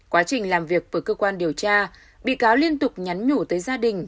quá trình làm việc với cơ quan điều tra bị cáo liên tục nhắn nhủ tới gia đình